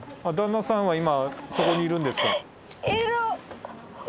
あ旦那さんは今そこにいるんですか？